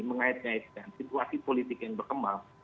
mengait ngaitkan situasi politik yang berkembang